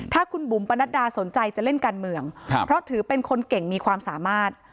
ถ้าคุณบุ๋มปนัดดาสนใจจะเล่นการเมืองเพราะถือเป็นคนเก่งมีความสามารถ